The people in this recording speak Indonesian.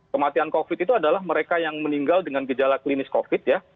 kematian covid itu adalah mereka yang meninggal dengan gejala klinis covid ya